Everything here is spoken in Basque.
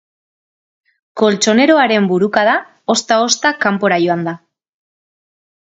Koltxoneroaren burukada ozta-ozta kanpora joan da.